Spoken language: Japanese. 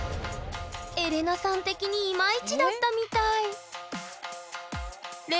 エレナさん的にイマイチだったみたい合わないんだ。